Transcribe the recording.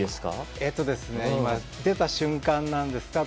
今、出た瞬間なんです。